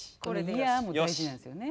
「イヤ」も大事なんですよね。